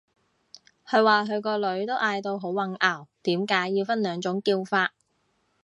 佢話佢個女都嗌到好混淆，點解要分兩種叫法